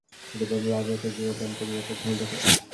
সে বলল, আমিও তো জীবন দান করি ও মৃত্যু ঘটাই।